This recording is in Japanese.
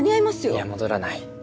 いや戻らない。